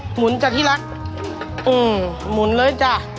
หมุนจที่รักหมุนเลยจ้ะ